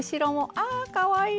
あかわいいね。